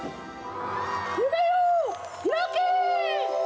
夢よ開け！